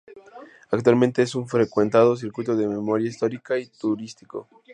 Actualmente es un frecuentado circuito de memoria histórica y turístico.